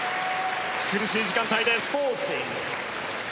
苦しい時間帯です。